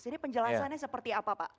ini penjelasannya seperti apa pak